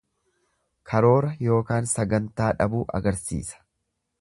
Karoora yookaan sagantaa dhabuu agarsiisa.